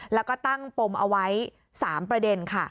แล้วก็ตั้งปมเอาไว้๓ประเด็นค่ะ